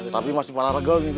tapi masih parah regang